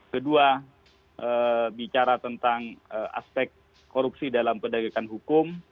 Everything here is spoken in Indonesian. kedua bicara tentang aspek korupsi dalam pendagangan hukum